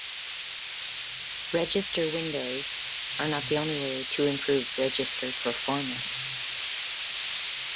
Register windows are not the only way to improve register performance.